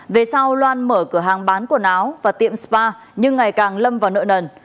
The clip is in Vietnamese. về sau loan mở cửa hàng bán quần áo và tiệm spa nhưng ngày càng lâm vào nợ nần